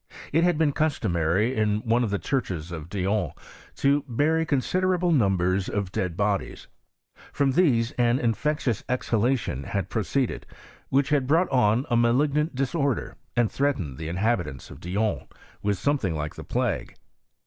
It had been customary in one of the churches of Dijon to bury considerable numbers of ^^ dead bodies. From these an infectious exhalation ^Mbad proceeded, which had brought on a malignant ^Bdisorder, and threatened the inhabitants of Dijon H^ivith something like the plague.